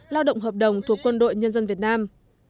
lao động hợp đồng thuộc quân đội nhân dân việt nam